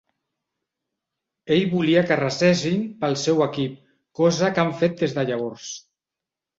Ell volia que resessin pel seu equip, cosa que han fet des de llavors.